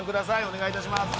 お願いいたします